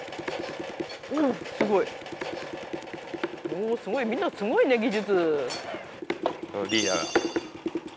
おすごいみんなすごいね技術。